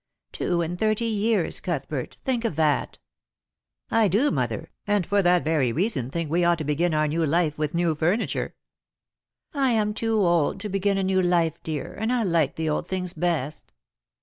" Two and thirty years, Outhbert ; think of that !"" I do, mother, and for that very reason think we ought to begin our new life with new furniture." " I am too old to begin a new life, dear, and I like the old things best."